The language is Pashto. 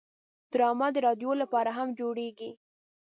ډرامه د رادیو لپاره هم جوړیږي